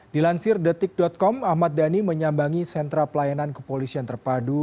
dilansir detik com ahmad dhani menyambangi sentra pelayanan kepolisian terpadu